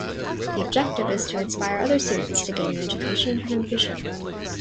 The objective is to inspire other students to gain an education and have ambition.